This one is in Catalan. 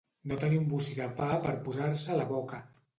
No tenir un bocí de pa per posar-se a la boca.